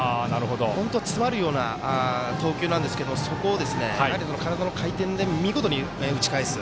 本当は詰まるような投球ですがそこを、体の回転で見事に打ち返す。